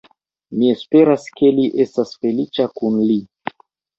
Mi esperas ke li estas feliĉa kun ri.